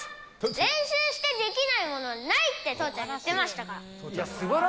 練習してできないものはないって父ちゃんが言ってましたから。